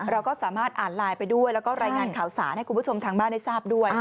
เราก็สามารถอ่านไลน์ไปด้วยแล้วก็รายงานข่าวสารให้คุณผู้ชมทางบ้านได้ทราบด้วย